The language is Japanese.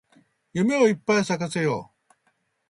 夢をいっぱい咲かせよう